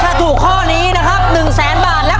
ถ้าถูกข้อนี้นะครับ๑แสนบาทแล้ว